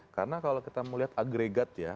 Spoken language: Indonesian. karena kalau kita mau lihat agregat ya